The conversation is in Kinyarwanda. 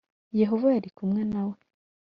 Yehova yari kumwe na we.